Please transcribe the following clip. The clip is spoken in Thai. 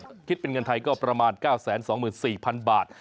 ถ้าคิดเป็นเงินไทยก็ประมาณ๙๒๔๐๐๐บาท